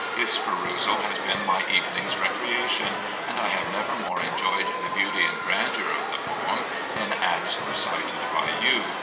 Its perusal has been my evening's recreation, and I have never more enjoyed the beauty and grandeur of the poem than as recited by you.